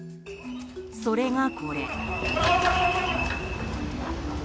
それがこれ。